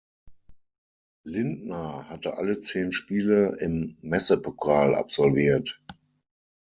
Lindner hatte alle zehn Spiele im Messepokal absolviert.